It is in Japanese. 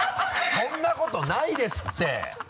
そんなことないですって！